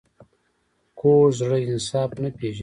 کوږ زړه انصاف نه پېژني